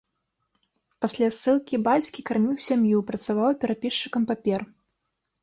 Пасля ссылкі бацькі карміў сям'ю, працаваў перапісчыкам папер.